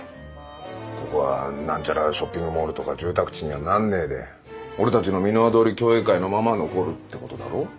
ここが何ちゃらショッピングモールとか住宅地にはなんねえで俺たちの「ミノワ通り共栄会」のまま残るってことだろ？